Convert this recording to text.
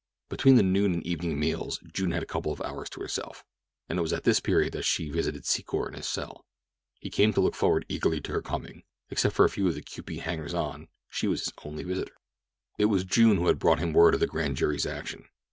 Between the noon and evening meals June had a couple of hours to herself, and it was at this period that she visited Secor in his cell. He came to look forward eagerly to her coming—except for a few of the Q. P.'s hangers on, she was his only visitor. It was June who brought him word of the grand jury's action.